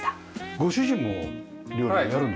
ご主人も料理やるんですか？